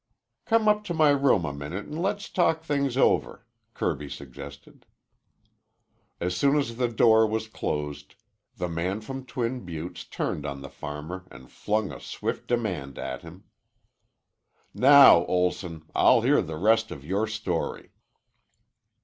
"Come up to my room a minute and let's talk things over," Kirby suggested. As soon as the door was closed, the man from Twin Buttes turned on the farmer and flung a swift demand at him. "Now, Olson, I'll hear the rest of your story."